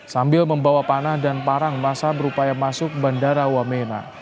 sambil membawa panah dan parang masa berupaya masuk bandara wamena